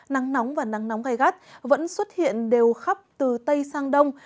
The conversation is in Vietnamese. nắng nóng và nắng nóng gai gắt vẫn xuất hiện đều khắp từ tây sang đông